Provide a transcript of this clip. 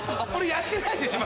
やってないでしょ！